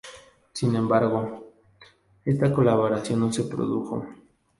Sin embargo, esta colaboración no se produjo.